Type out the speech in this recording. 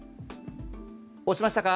押しましたか？